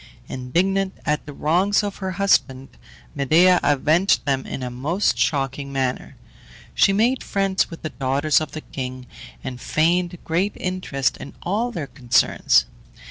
Indignant at the wrongs of her husband, Medea avenged them in a most shocking manner. She made friends with the daughters of the king, and feigned great interest in all their concerns.